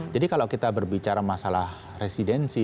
jadi kalau kita berbicara masalah residensi